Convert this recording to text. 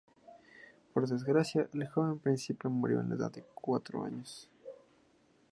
Por desgracia, el joven príncipe murió a la edad de cuatro años.